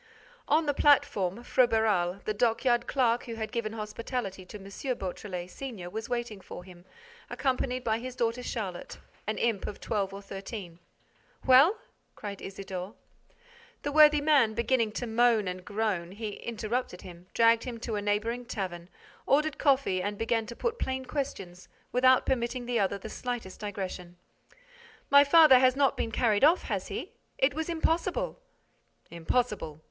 On the platform, Froberval, the dockyard clerk who had given hospitality to M. Beautrelet, senior, was waiting for him, accompanied by his daughter Charlotte, an imp of twelve or thirteen. "Well?" cried Isidore. The worthy man beginning to moan and groan, he interrupted him, dragged him to a neighboring tavern, ordered coffee and began to put plain questions, without permitting the other the slightest digression: "My father has not been carried off, has he? It was impossible." "Impossible.